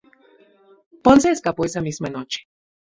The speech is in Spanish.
Ponce escapó esa misma noche.